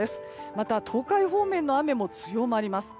また、東海方面の雨も強まります。